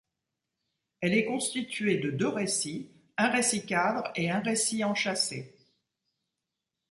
Elle est constituée de deux récits, un récit cadre et un récit enchâssé.